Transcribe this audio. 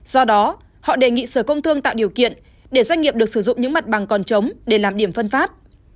do đó họ đề nghị sở công thương tạo điều kiện để doanh nghiệp được sử dụng những mặt bằng còn chống để làm điểm phân phát